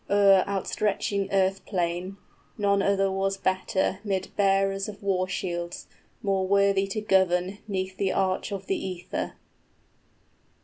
} O'er outstretching earth plain, none other was better 'Mid bearers of war shields, more worthy to govern, 25 'Neath the arch of the ether.